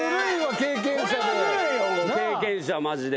経験者マジで。